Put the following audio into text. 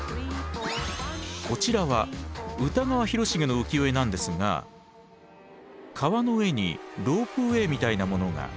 こちらは歌川広重の浮世絵なんですが川の上にロープウエーみたいなものが。